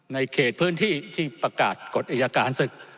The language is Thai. เขตพื้นที่ที่ประกาศกฎอายการศึก